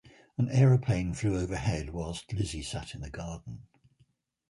An aeroplane flew overhead whilst Lizzie sat in the garden.